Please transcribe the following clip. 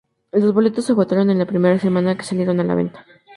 Los boletos se agotaron en la primera semana que salieron a la venta.